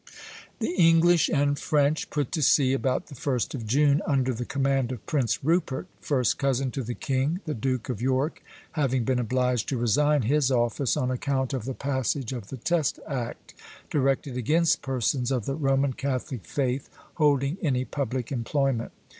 The English and French put to sea about the 1st of June, under the command of Prince Rupert, first cousin to the king, the Duke of York having been obliged to resign his office on account of the passage of the Test Act, directed against persons of the Roman Catholic faith holding any public employment.